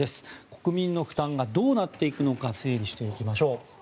国民の負担がどうなっていくのか整理していきましょう。